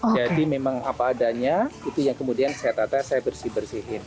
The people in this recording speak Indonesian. memang apa adanya itu yang kemudian saya tata saya bersih bersihin